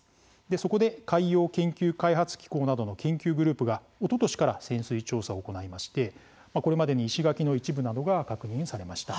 そこで海洋研究開発機構などの研究グループがおととしから潜水調査を行いましてこれまでに石垣の一部などが確認されました。